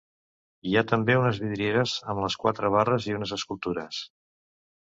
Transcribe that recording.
Hi ha també unes vidrieres amb les quatre barres i unes escultures.